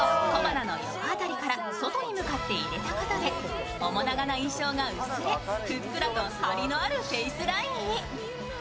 チークを小鼻の横あたりから外に向かって入れたことで面長な印象が薄れふっくらと張りのあるフェイスラインに。